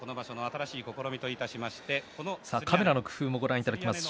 カメラの工夫もご覧いただきましょう。